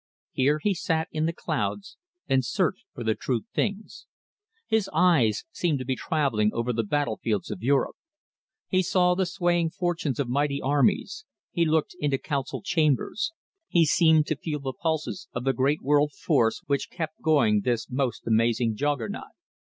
Here he sat in the clouds and searched for the true things. His eyes seemed to be travelling over the battlefields of Europe. He saw the swaying fortunes of mighty armies, he looked into council chambers, he seemed to feel the pulses of the great world force which kept going this most amazing Juggernaut.